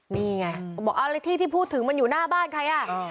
นี่ไงบอกเอาแล้วที่ที่พูดถึงมันอยู่หน้าบ้านใครอ่ะ